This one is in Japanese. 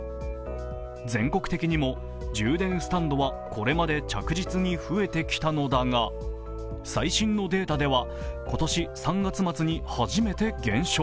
全国的にも充電スタンドはこれまで着実に増えてきたのだが最新のデータでは今年３月末に初めて減少。